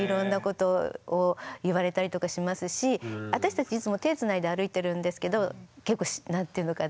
私たちいつも手つないで歩いてるんですけど結構何て言うのかな？